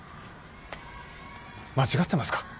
間違ってますか？